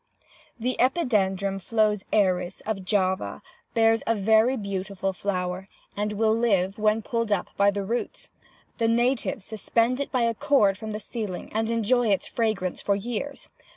"'The Epidendrum Flos Aeris, of Java, bears a very beautiful flower, and will live when pulled up by the roots. The natives suspend it by a cord from the ceiling, and enjoy its fragrance for years.